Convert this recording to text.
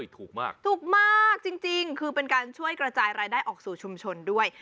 ถูกมากถูกมากจริงคือเป็นการช่วยกระจายรายได้ออกสู่ชุมชนด้วย